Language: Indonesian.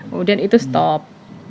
kemudian itu stop